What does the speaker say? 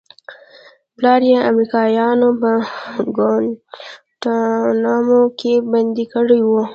پلار يې امريکايانو په گوانټانامو کښې بندي کړى و.